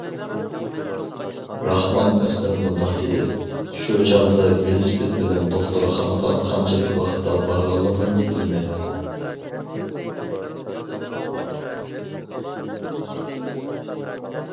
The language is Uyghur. راخمان ئەسلەپ مۇنداق دېدى: شۇ چاغدا ۋېلىسىپىت بىلەن دوختۇرخانىغا قانچىلىك ۋاقىتتا بارغانلىقىمنى بىلمەيمەن.